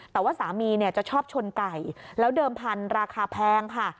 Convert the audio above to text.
แต่ว่าสามีเนี่ยจะชอบชนไก่แล้วเดิมพันธุ์ราคาแพงค่ะ